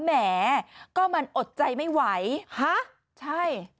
แหมก็มันอดใจไม่ไหวฮะใช่